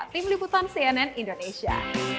tim liputan cnn indonesia